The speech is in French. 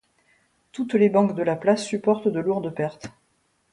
Toutes les banques de la place supportent de lourdes pertes.